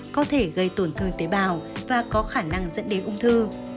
có thể gây tổn thương tế bào và có khả năng dẫn đến ung thư